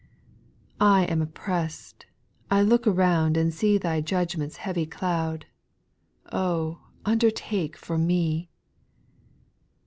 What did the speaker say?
I am oppressed ; I look around And see Thy judgment's heavy cloud ; Oh I undertake for me I 3.